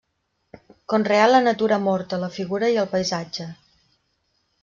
Conreà la natura morta, la figura i el paisatge.